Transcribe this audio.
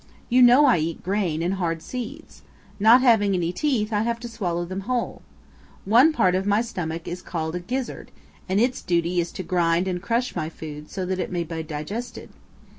You know I eat grain and hard seeds. Not having any teeth I have to swallow them whole. One part of my stomach is called a gizzard and its duty is to grind and crush my food so that it may be digested.